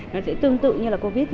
nó sẽ tương tự như là covid